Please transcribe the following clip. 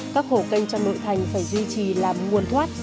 các hồ kênh trong nội thành phải duy trì làm nguồn thoát